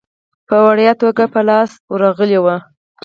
په وړیا توګه یې په لاس ورغلی وو.